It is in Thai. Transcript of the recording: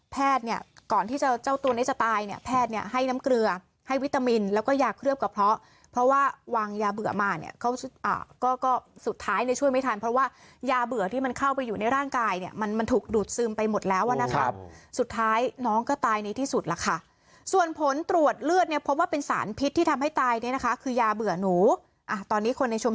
แพทย์เนี่ยก่อนที่เจ้าตัวนี่จะตายเนี่ยแพทย์เนี่ยให้น้ำเกลือให้วิตามินแล้วก็ยาเครื่องกับเพราะ